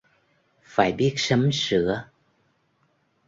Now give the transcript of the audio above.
Phải biết sắm sửa